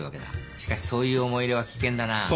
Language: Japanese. しかしそういう思い入れは危険だな。